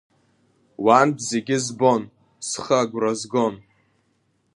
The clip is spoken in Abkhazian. Уантә зегьы збон, схы агәра згон.